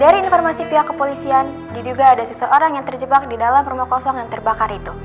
dari informasi pihak kepolisian diduga ada seseorang yang terjebak di dalam rumah kosong yang terbakar itu